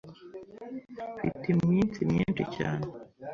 Mfite iminsi myinshi cyane.